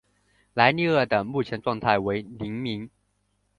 莱利鳄的目前状态为疑名。